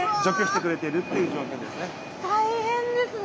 大変ですね。